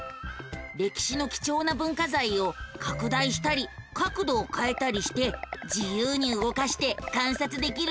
歴史の貴重な文化財を拡大したり角度をかえたりして自由に動かして観察できるのさ。